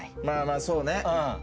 まあまあそうね